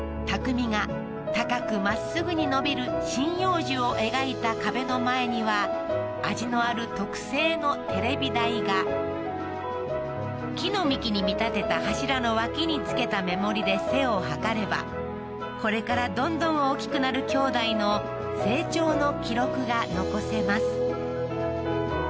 匠が高くまっすぐに伸びる針葉樹を描いた壁の前には味のある特製のテレビ台が木の幹に見立てた柱の脇につけた目盛りで背を測ればこれからどんどん大きくなる兄弟の成長の記録が残せます